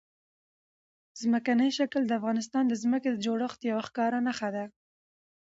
ځمکنی شکل د افغانستان د ځمکې د جوړښت یوه ښکاره نښه ده.